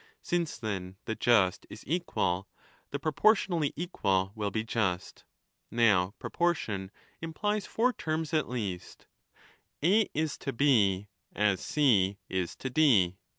Since, then, the just is equal, the proportionally equal will be just. Now proportion implies four terms at least : A : B :: C : D.